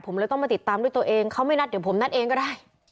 ผมเลยต้องมาติดตามด้วยตัวเองเขาไม่นัดเดี๋ยวผมนัดเองก็ได้